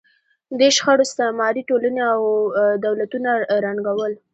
دې شخړو استعماري ټولنې او دولتونه ړنګول.